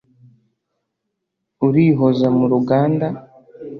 urihoza mu ruganda,